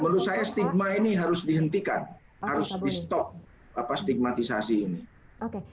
dan ya sudah archie